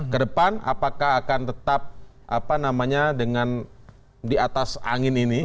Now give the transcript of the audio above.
kedepan apakah akan tetap apa namanya dengan di atas angin ini